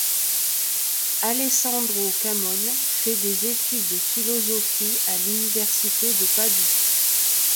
Alessandro Camon fait des études de philosophie à l'Université de Padoue.